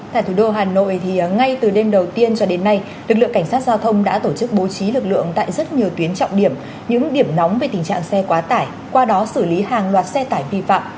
tại thủ đô hà nội ngay từ đêm đầu tiên cho đến nay lực lượng cảnh sát giao thông đã tổ chức bố trí lực lượng tại rất nhiều tuyến trọng điểm những điểm nóng về tình trạng xe quá tải qua đó xử lý hàng loạt xe tải vi phạm